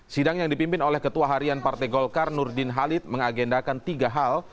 sidang yang dipimpin oleh ketua harian partai golkar nurdin halid mengagendakan tiga hal